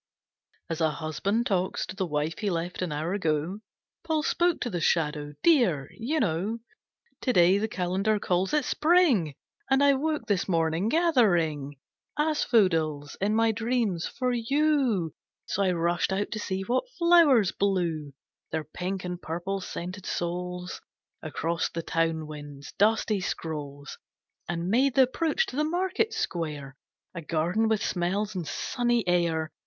As a husband talks To the wife he left an hour ago, Paul spoke to the Shadow. "Dear, you know To day the calendar calls it Spring, And I woke this morning gathering Asphodels, in my dreams, for you. So I rushed out to see what flowers blew Their pink and purple scented souls Across the town wind's dusty scrolls, And made the approach to the Market Square A garden with smells and sunny air.